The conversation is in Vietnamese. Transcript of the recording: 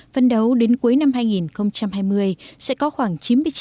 phân đấu đến cuối năm hai nghìn hai mươi sẽ có khoảng chín mươi chín